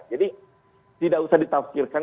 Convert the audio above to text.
jadi tidak usah ditafkirkan